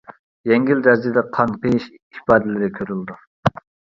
يەڭگىل دەرىجىدە قان قېيىش ئىپادىلىرى كۆرۈلىدۇ.